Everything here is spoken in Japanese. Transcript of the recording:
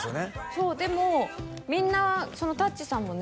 そうでもみんなたっちさんもね